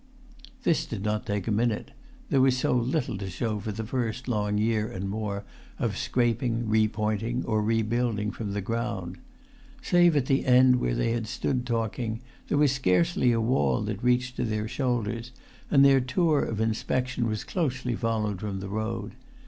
This did not take a minute; there was so little to show for the first long year and more of scraping, re pointing, or rebuilding from the ground. Save at[Pg 238] the end where they had stood talking, there was scarcely a wall that reached to their shoulders, and their tour of inspection was closely followed from the road.